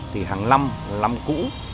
thì hàng năm năm cũ